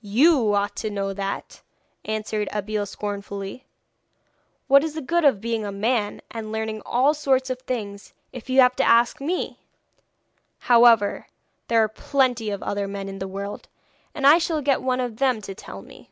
'You ought to know that,' answered Abeille scornfully. 'What is the good of being a man, and learning all sorts of things, if you have to ask me. However, there are plenty of other men in the world, and I shall get one of them to tell me.'